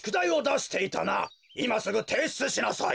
いますぐていしゅつしなさい。